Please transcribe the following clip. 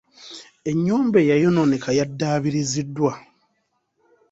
Ennyumba eyayonooneka yaddaabiriziddwa.